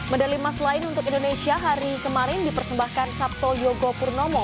medali emas lain untuk indonesia hari kemarin dipersembahkan sabto yogo purnomo